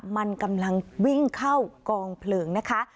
มันกำลังวิ่งเข้ากองเพลิงนะคะ